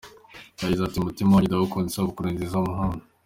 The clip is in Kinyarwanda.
Yagize ati “Mutima wanjye ndagukunda, isabukuru nziza muhungu”.